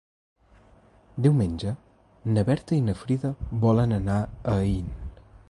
Diumenge na Berta i na Frida volen anar a Aín.